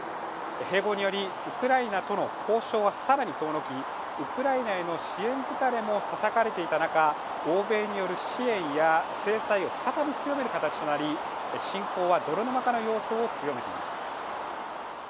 併合によりウクライナとの交渉は更に遠のき、ウクライナへの支援疲れもささやかれていた中、欧米による支援や制裁を再び強める形となり侵攻は泥沼化の様相を強めています。